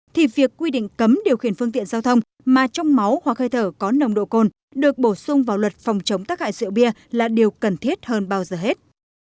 thì việc quy định cấm điều khiển phương tiện giao thông mà trong máu hoặc hơi thở có nồng độ cồn được bổ sung vào luật phòng chống tác hại rượu bia là điều cần thiết hơn bao giờ hết